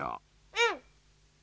うん。